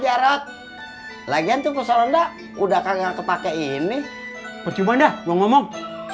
biarin aja rod lagian tuh pos ronda udah kagak kepake ini percobaan dah uang ngomong